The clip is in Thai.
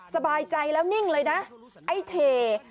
สบายใจแล้วนิ่งเลยนะไอ้เท